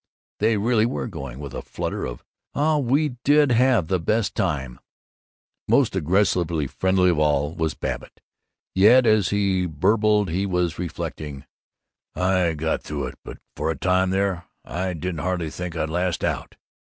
They really were going, with a flutter of "We did have the best time!" Most aggressively friendly of all was Babbitt, yet as he burbled he was reflecting, "I got through it, but for a while there I didn't hardly think I'd last out."